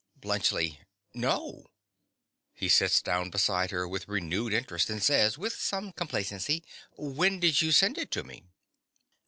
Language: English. BLUNTSCHLI. No. (He sits down beside her, with renewed interest, and says, with some complacency.) When did you send it to me?